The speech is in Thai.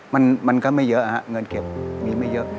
มันก็ไม่เยอะเงินเก็บมีไม่เยอะ